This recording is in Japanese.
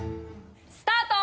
スタート！